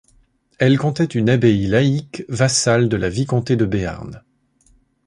Elle comptait une abbaye laïque, vassale de la vicomté de Béarn.